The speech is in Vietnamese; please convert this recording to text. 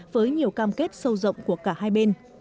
với nhiều cam kết sâu rộng của cả hai bên